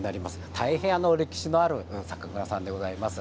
大変、歴史のある酒蔵さんでございます。